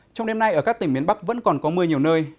trong đêm nay ở các tỉnh miền bắc vẫn còn có mưa nhiều nơi